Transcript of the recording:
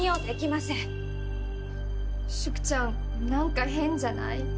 淑ちゃんなんか変じゃない？